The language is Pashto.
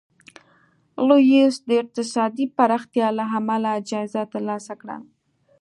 لویس د اقتصادي پراختیا له امله جایزه ترلاسه کړه.